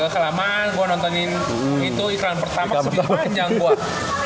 kelamaan gue nontonin itu iklan pertama lebih panjang gue